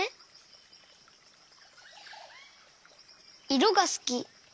いろがすき。